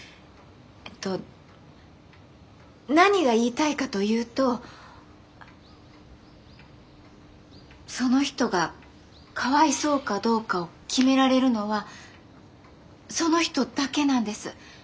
えっと何が言いたいかというとその人がかわいそうかどうかを決められるのはその人だけなんです。